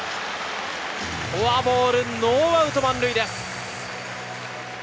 フォアボール、ノーアウト満塁です。